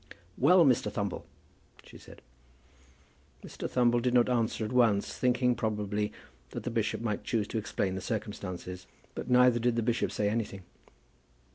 "Well, Mr. Thumble!" she said. Mr. Thumble did not answer at once, thinking, probably, that the bishop might choose to explain the circumstances. But, neither did the bishop say any thing.